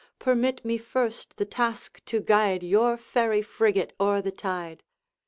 Permit me first the task to guide Your fairy frigate o'er the tide.'